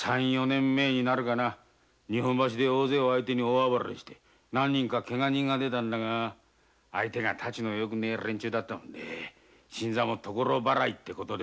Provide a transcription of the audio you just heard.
３４年前になるかな大勢を相手に大暴れして何人かケガ人も出たんだが相手もたちの悪い連中だったもんで新三も所払いってことで。